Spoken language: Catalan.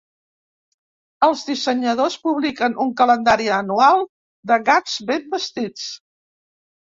Els dissenyadors publiquen un calendari anual de gats ben vestits.